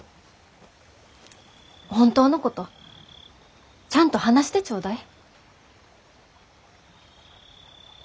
本当のことちゃんと話してちょうだい。